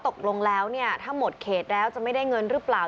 ตกลงแล้วเนี่ยถ้าหมดเขตแล้วจะไม่ได้เงินหรือเปล่า